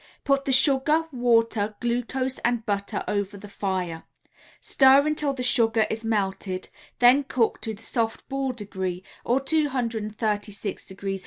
Put the sugar, water, glucose and butter over the fire; stir until the sugar is melted, then cook to the soft ball degree, or 236° F.